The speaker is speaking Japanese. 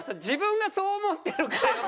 自分がそう思ってるから。